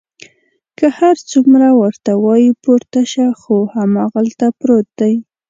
که هر څومره ورته وایي پورته شه، خو هماغلته پروت دی.